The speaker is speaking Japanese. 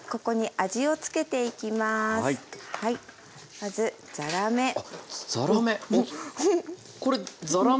まずざらめ。